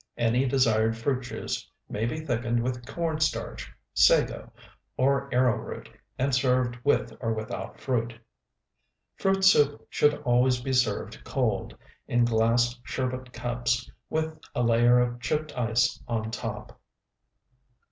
Any desired fruit juice may be thickened with corn starch, sago, or arrowroot, and served with or without fruit. Fruit soup should always be served cold, in glass sherbet cups, with a layer of chipped ice on top.